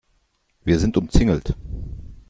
Wir sind umzingelt.